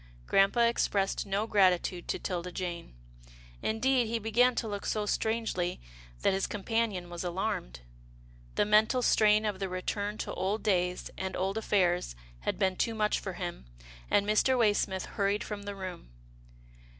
Grampa expressed no gratitude to 'Tilda Jane. Indeed, he began to look so strangely that his com panion was alarmed. The mental strain of the return to old days and 92 'TILDA JANE'S ORPHANS old affairs had been too much for him, and Mr. Way smith hurried from the room.